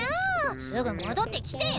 すぐもどってきてよ！